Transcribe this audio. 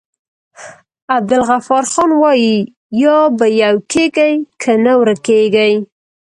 عبدالغفارخان وايي: یا به يو کيږي که نه ورکيږی.